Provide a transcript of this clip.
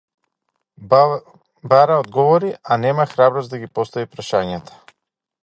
Бара одговори, а нема храброст да ги постави прашањата.